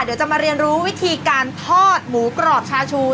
เดี๋ยวจะมาเรียนรู้วิธีการทอดหมูกรอบชาชู